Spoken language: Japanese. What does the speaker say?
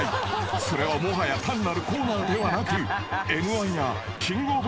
［それはもはや単なるコーナーではなく］